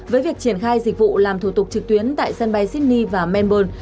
với việc triển khai dịch vụ làm thủ tục trực tuyến tại sân bay sydney và melbourne